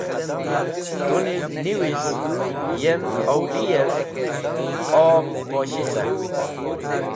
Tu niv niwiz yem owliyev ob poshi car.